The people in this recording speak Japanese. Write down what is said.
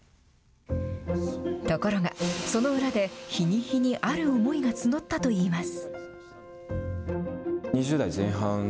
ところが、その裏で日に日にある思いが募ったといいます。